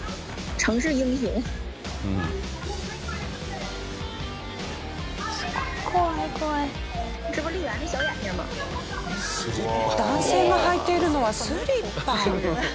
男性が履いているのはスリッパ。